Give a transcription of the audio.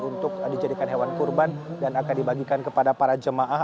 untuk dijadikan hewan kurban dan akan dibagikan kepada para jemaah